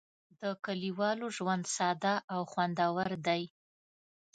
د کلیوالو ژوند ساده او خوندور دی.